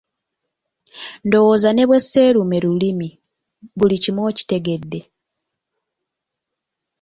Ndowooza ne bwe seerume lulimi, buli kimu okitegedde.